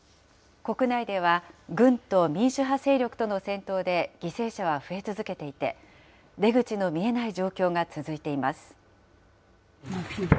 国内では軍と民主派勢力との戦闘で、犠牲者は増え続けていて、出口の見えない状況が続いています。